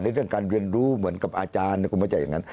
ในเรื่องการเรียนรู้เหมือนกับอาจารย์กลมบัจจัยอย่างนั้น